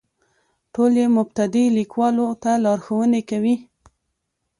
ټول یې مبتدي لیکوالو ته لارښوونې کوي.